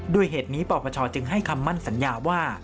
ด้วยเหตุนี้ปปชจึงให้คำมั่นสัญญาว่า